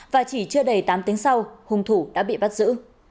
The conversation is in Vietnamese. và chỉ chưa đầy tám tiếng sau hung thủ đã bị bắt giữ